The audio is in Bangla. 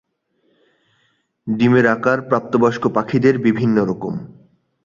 ডিমের আকার প্রাপ্তবয়স্ক পাখিদের বিভিন্ন রকম।